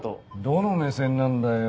どの目線なんだよ